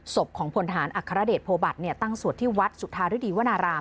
ศพของพลฐานอัครเดชโพบัตรตั้งสวดที่วัดสุธาริดีวนาราม